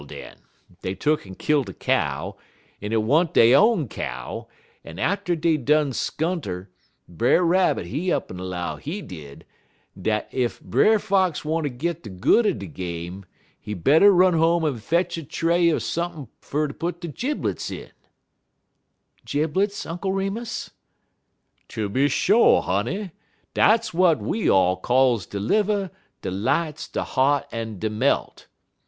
"Well, den, dey tuck'n kilt a cow, en 't wa'n't dey own cow, en alter dey done skunt 'er Brer Rabbit, he up'n 'low, he did, dat ef Brer Fox wanter git de good er de game, he better run home en fetch a tray er sump'n fer put de jiblets in." "Jiblets, Uncle Remus?" "Tooby sho', honey. Dats w'at we all calls de liver, de lights, de heart, en de melt.